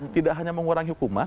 tidak hanya mengurangi hukuman